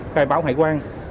khai báo hải quan